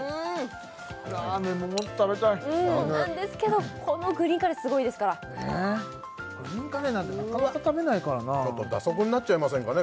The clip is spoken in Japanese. ラーメンももっと食べたいそうなんですけどこのグリーンカレーすごいですからえーっグリーンカレーなんてなかなか食べないからなちょっと蛇足になっちゃいませんかね